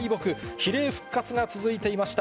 比例復活が続いていました。